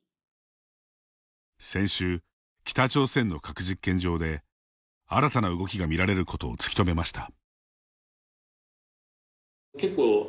先週、北朝鮮の核実験場で新たな動きが見られることを突き止めました。